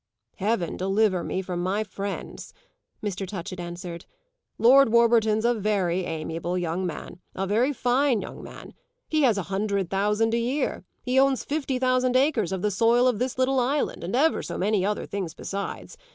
"Heaven deliver me from my friends!" Mr. Touchett answered. "Lord Warburton's a very amiable young man a very fine young man. He has a hundred thousand a year. He owns fifty thousand acres of the soil of this little island and ever so many other things besides.